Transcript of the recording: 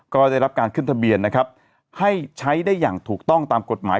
ก็ได้รับการขึ้นทะเบียนนะครับให้ใช้ได้อย่างถูกต้องตามกฎหมาย